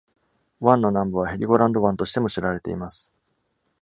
湾の南部はヘリゴランド湾としても知られています。